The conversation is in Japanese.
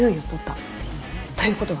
という事は？